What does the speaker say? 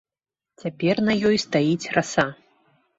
Цяпер на ёй стаіць раса.